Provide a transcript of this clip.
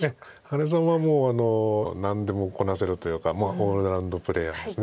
羽根さんはもう何でもこなせるというかオールラウンドプレーヤーです。